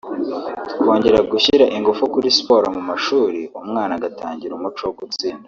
tukongera gushyira ingufu kuri siporo mu mashuri umwana agatangirana umuco wo gutsinda